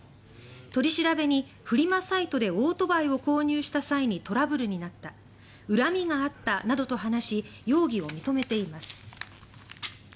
取り調べに、フリマサイトでオートバイを購入した際にトラブルになった恨みがあったなどと話し容疑を認めています。